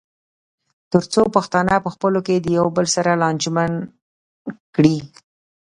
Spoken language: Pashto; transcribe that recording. تر څو پښتانه پخپلو کې د یو بل سره لانجمن کړي.